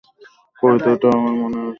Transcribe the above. কবিতাটাও আমার মনে আছে।